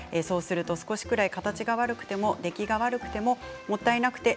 少しぐらい形が悪くても出来が悪くてももったいなくて